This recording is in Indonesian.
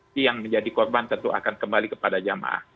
nanti yang menjadi korban tentu akan kembali kepada jamaah